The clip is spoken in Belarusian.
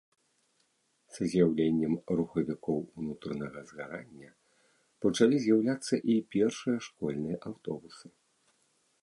Са з'яўленнем рухавікоў унутранага згарання пачалі з'яўляцца і першыя школьныя аўтобусы.